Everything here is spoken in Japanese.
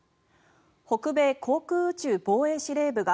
北米航空宇宙防衛司令部が